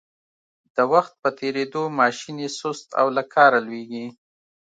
د وخت په تېرېدو ماشین یې سست او له کاره لویږي.